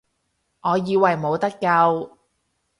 我以為冇得救